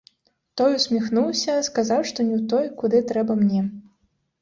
Той усміхнуўся, сказаў, што не ў той, куды трэба мне.